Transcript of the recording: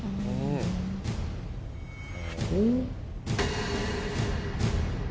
おっ？